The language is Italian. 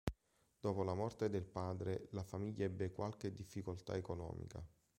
Dopo la morte del padre la famiglia ebbe qualche difficoltà economica.